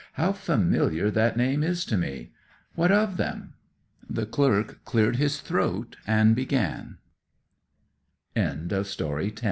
'How familiar that name is to me! What of them?' The clerk cleared his throat and began